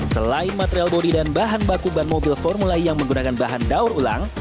selain material bodi dan bahan baku ban mobil formula e yang menggunakan bahan daur ulang